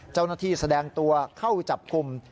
เจ้าหน้าที่แสดงตัวเข้าจับกุม